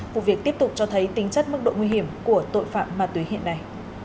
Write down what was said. vụ việc tiếp tục cho thấy tính chất mức độ nguy hiểm của tội phạm ma túy hiện nay